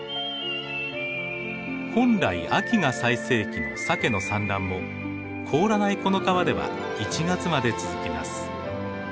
本来秋が最盛期のサケの産卵も凍らないこの川では１月まで続きます。